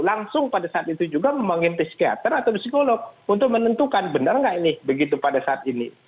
langsung pada saat itu juga memanggil psikiater atau psikolog untuk menentukan benar nggak ini begitu pada saat ini